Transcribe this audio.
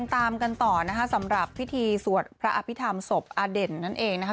ตามกันต่อนะคะสำหรับพิธีสวดพระอภิษฐรรมศพอเด่นนั่นเองนะคะ